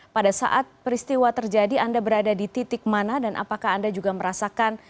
pada saat peristiwa terjadi anda berada di titik mana dan apakah anda juga merasakan